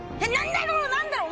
何だろう！